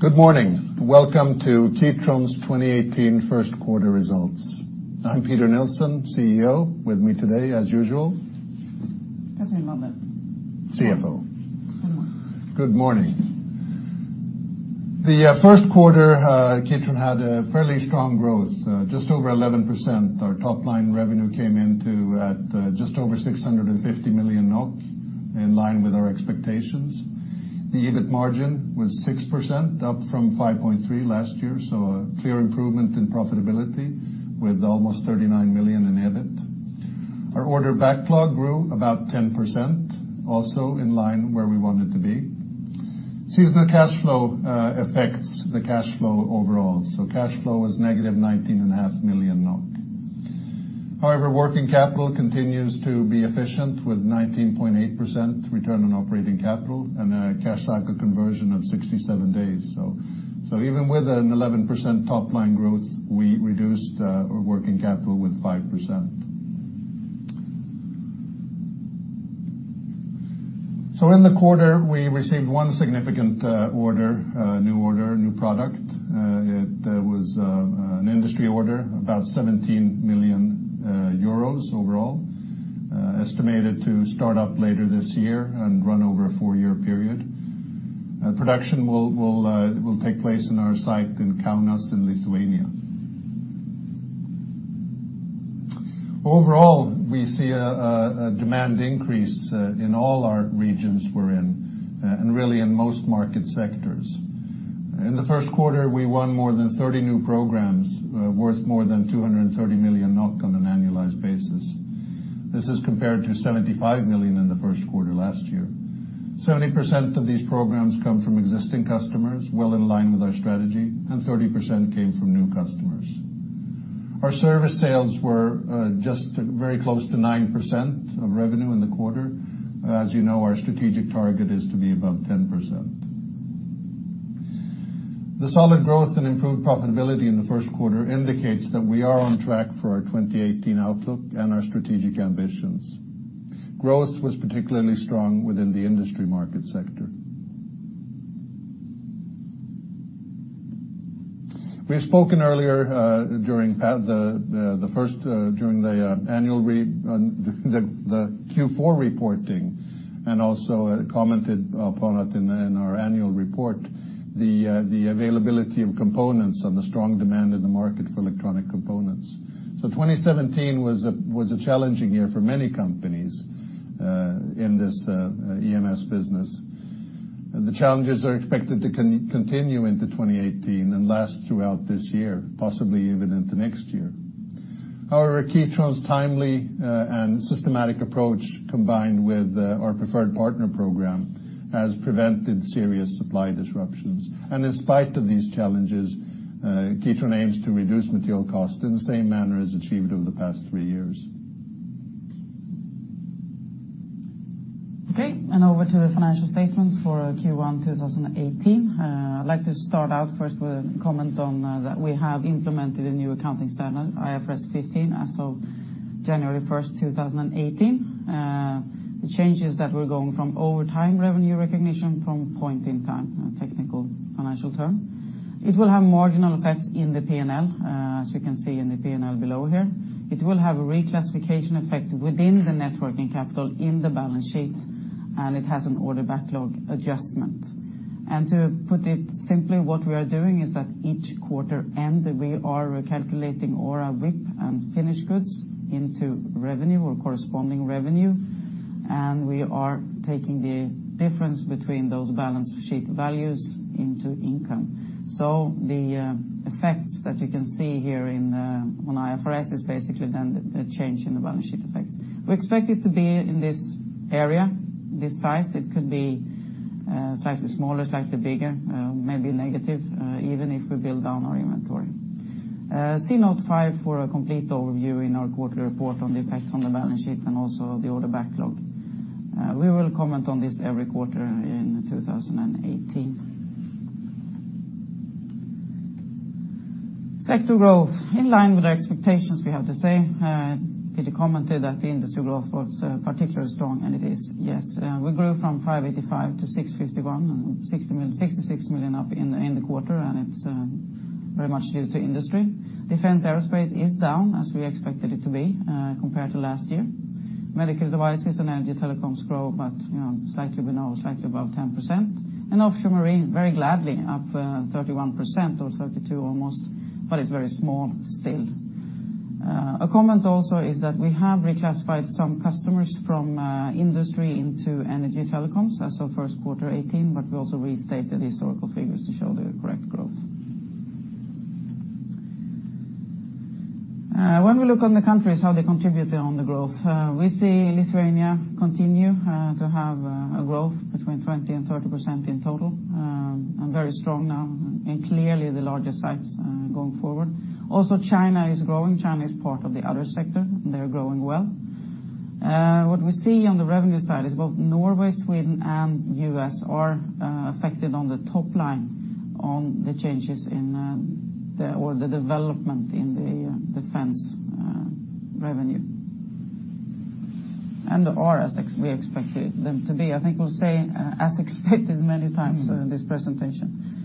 Good morning. Welcome to Kitron's 2018 First Quarter Results. I'm Peter Nilsson, CEO. With me today, as usual. Cathrin Nylander. CFO. Good morning. Good morning. The first quarter, Kitron had a fairly strong growth, just over 11%. Our top line revenue came into, at, just over 650 million NOK, in line with our expectations. The EBIT margin was 6%, up from 5.3 last year, so a clear improvement in profitability, with almost 39 million in EBIT. Our order backlog grew about 10%, also in line where we want it to be. Seasonal cash flow affects the cash flow overall, so cash flow was negative 19.5 million. However, working capital continues to be efficient, with 19.8% return on operating capital and a cash conversion cycle of 67 days. Even with an 11% top line growth, we reduced our working capital with 5%. In the quarter, we received one significant order, a new order, new product. It was an industry order, about 17 million euros overall, estimated to start up later this year and run over a four-year period. Production will take place in our site in Kaunas, in Lithuania. Overall, we see a demand increase in all our regions we're in and really in most market sectors. In the first quarter, we won more than 30 new programs, worth more than 230 million NOK on an annualized basis. This is compared to 75 million in the first quarter last year. 70% of these programs come from existing customers, well in line with our strategy, and 30% came from new customers. Our service sales were just very close to 9% of revenue in the quarter. As you know, our strategic target is to be above 10%. The solid growth and improved profitability in the first quarter indicates that we are on track for our 2018 outlook and our strategic ambitions. Growth was particularly strong within the industry market sector. We've spoken earlier during the annual on the Q4 reporting, and also commented upon it in our annual report, the availability of components and the strong demand in the market for electronic components. The 2017 was a challenging year for many companies in this EMS business. The challenges are expected to continue into 2018 and last throughout this year, possibly even into next year. However, Kitron's timely and systematic approach, combined with our preferred partner program, has prevented serious supply disruptions. In spite of these challenges, Kitron aims to reduce material costs in the same manner as achieved over the past three years. Okay, over to the financial statements for Q1 2018. I'd like to start out first with a comment on that we have implemented a new accounting standard, IFRS 15, as of January 1st, 2018. The changes that we're going from over time revenue recognition from point in time, a technical financial term. It will have marginal effects in the P&L, as you can see in the P&L below here. It will have a reclassification effect within the net working capital in the balance sheet, and it has an order backlog adjustment. To put it simply, what we are doing is that each quarter end, we are recalculating all our WIP and finished goods into revenue or corresponding revenue, and we are taking the difference between those balance sheet values into income. The effects that you can see here in on IFRS is basically then the change in the balance sheet effects. We expect it to be in this area, this size. It could be slightly smaller, slightly bigger, maybe negative, even if we build down our inventory. See note five for a complete overview in our quarterly report on the effects on the balance sheet and also the order backlog. We will comment on this every quarter in 2018. Sector growth, in line with our expectations, we have to say. Peter commented that the industry growth was particularly strong, and it is, yes. We grew from 585 to 651, and 66 million up in the quarter, and it's very much due to industry. Defense/Aerospace is down, as we expected it to be, compared to last year. Medical devices and Energy/Telecoms grow, but, you know, slightly below, slightly above 10%. Offshore/Marine, very gladly up, 31% or 32 almost, but it's very small still. A comment also is that we have reclassified some customers from industry into energy telecoms as of first quarter 2018, but we also restated historical figures to show the correct growth. When we look on the countries, how they contributed on the growth, we see Lithuania continue to have a growth between 20% and 30% in total, and very strong now and clearly the largest sites going forward. Also, China is growing. China is part of the other sector. They're growing well. What we see on the revenue side is both Norway, Sweden and U.S. are affected on the top line on the changes in, or the development in the defense revenue and/or as we expected them to be. I think we'll say as expected many times. In this presentation.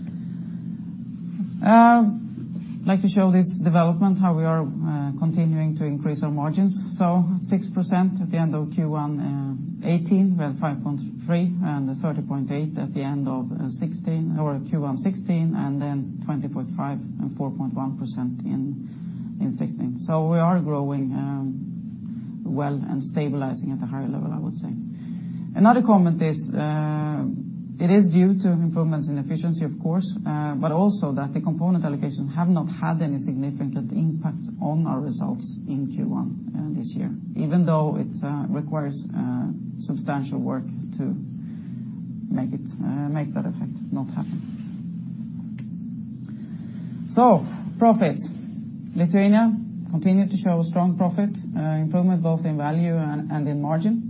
Like to show this development, how we are continuing to increase our margins, 6% at the end of Q1 2018, we had 5.3% and 30.8% at the end of 2016 or Q1 2016, and then 20.5% and 4.1% in 2016. We are growing well and stabilizing at a higher level, I would say. Another comment is, it is due to improvements in efficiency, of course, but also that the component allocations have not had any significant impact on our results in Q1 this year, even though it requires substantial work to make that effect not happen. Profit. Lithuania continued to show a strong profit improvement both in value and in margin.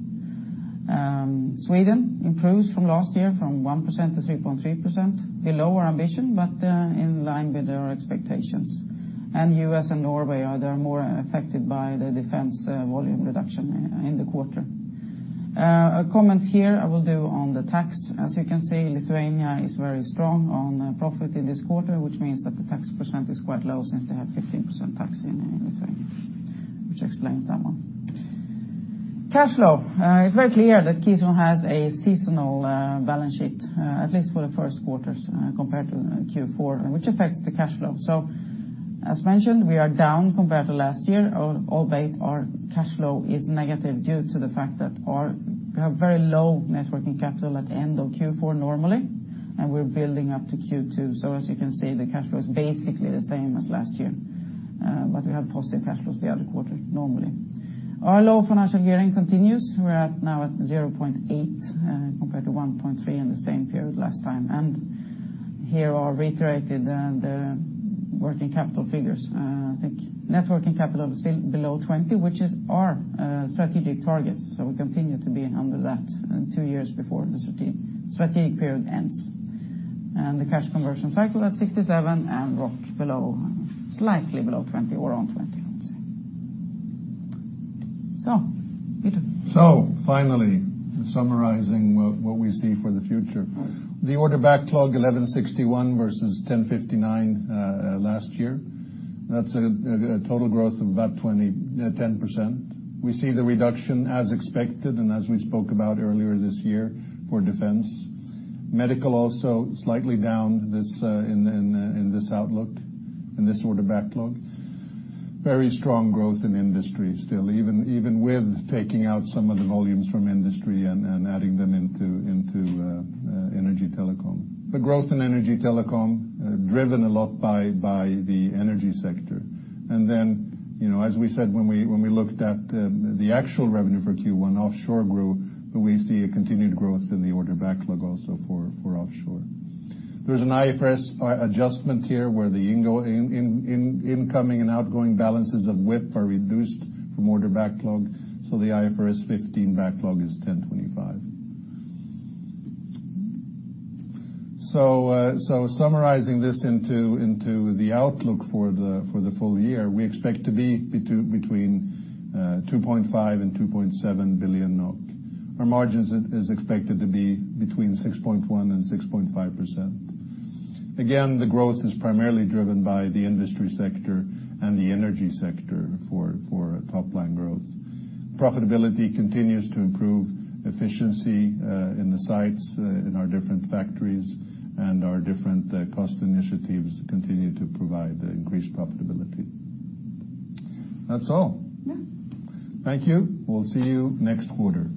Sweden improved from last year from 1% to 3.3%. Below our ambition, but in line with our expectations. U.S. and Norway are, they're more affected by the defense volume reduction in the quarter. A comment here I will do on the tax. As you can see, Lithuania is very strong on profit in this quarter, which means that the tax % is quite low since they have 15% tax in Lithuania, which explains that one. Cash flow. It's very clear that Kitron has a seasonal balance sheet, at least for the first quarters, compared to Q4, which affects the cash flow. As mentioned, we are down compared to last year, albeit our cash flow is negative due to the fact that our... We have very low net working capital at the end of Q4 normally, and we're building up to Q2. As you can see, the cash flow is basically the same as last year. We have positive cash flows the other quarter normally. Our low financial gearing continues. We're at now at 0.8 compared to 1.3 in the same period last time. Here are reiterated the working capital figures. I think net working capital is still below 20%, which is our strategic target. We continue to be under that, two years before the strategic period ends. The cash conversion cycle at 67 and ROOC below, slightly below 20% or on 20%, I would say. Peter. So finally, summarizing what we see for the future. Yes. The order backlog, 1,161 versus 1,059 last year. That's a total growth of about 10%. We see the reduction as expected and as we spoke about earlier this year for Defense. Medical also slightly down in this order backlog. Very strong growth in industry still, even with taking out some of the volumes from industry and adding them into Energy/Telecom. The growth in Energy/Telecom, driven a lot by the energy sector. You know, as we said when we looked at the actual revenue for Q1, offshore grew, but we see a continued growth in the order backlog also for offshore. There's an IFRS adjustment here where the incoming and outgoing balances of WIP are reduced from order backlog. The IFRS 15 backlog is 1,025 NOK. Summarizing this into the outlook for the full year, we expect to be between 2.5 billion and 2.7 billion NOK. Our margins is expected to be between 6.1% and 6.5%. Again, the growth is primarily driven by the Industry sector and the Energy sector for top line growth. Profitability continues to improve efficiency in the sites in our different factories and our different cost initiatives continue to provide the increased profitability. That's all. Thank you. We'll see you next quarter.